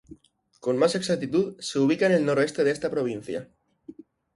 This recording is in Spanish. Con más exactitud, se ubica en el noroeste de esta provincia.